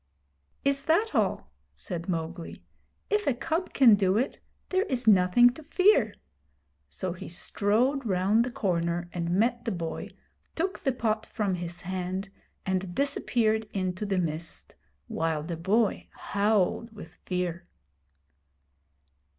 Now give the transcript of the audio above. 'Is that all?' said Mowgli. 'If a cub can do it, there is nothing to fear'; so he strode round the corner and met the boy, took the pot from his hand, and disappeared into the mist while the boy howled with fear.